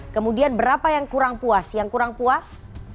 kemudian berapa yang kurang puas